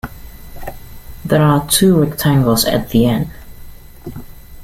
There are two rectangles at the end.